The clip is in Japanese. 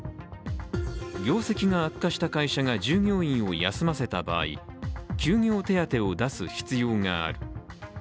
業績が悪化した会社が従業員を休ませた場合、休業手当を出す必要がある。